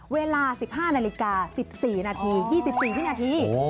เวลา๑๕นาฬิกา๑๔นาที๒๔วินาที